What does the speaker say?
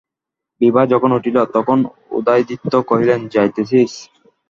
বিভা যখন উঠিল, তখন উদয়াদিত্য কহিলেন, যাইতেছিস?